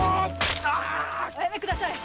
おやめください！